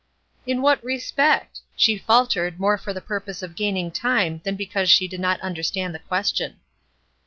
"In what respect?" she faltered, more for the purpose of gaining time than because she did not understand the question.